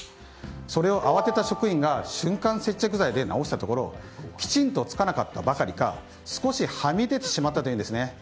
それを慌てた職員が瞬間接着剤で直したところきちんとつかなかったばかりか少しはみ出てしまったというんですね。